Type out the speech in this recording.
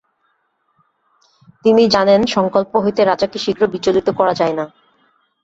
তিনি জানেন সংকল্প হইতে রাজাকে শীঘ্র বিচলিত করা যায় না।